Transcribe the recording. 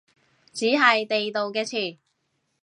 只係地道嘅詞